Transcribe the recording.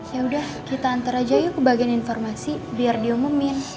ya udah kita antar aja yuk ke bagian informasi biar diumumin